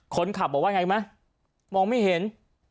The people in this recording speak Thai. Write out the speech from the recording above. คนขับบอกว่าไงไหมมองไม่เห็น